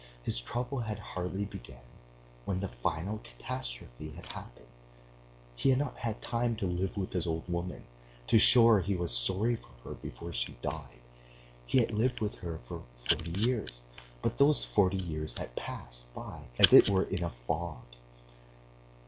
His trouble had hardly begun when the final catastrophe had happened. He had not had time to live with his old woman, to show her he was sorry for her before she died. He had lived with her for forty years, but those forty years had passed by as it were in a fog.